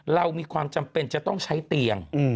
เรามีความจำเป็นจะต้องใช้เตียง